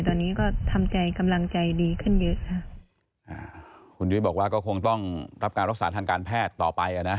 ตอนนี้ก็ทำใจกำลังใจดีขึ้นเยอะค่ะอ่าคุณยุ้ยบอกว่าก็คงต้องรับการรักษาทางการแพทย์ต่อไปอ่ะนะ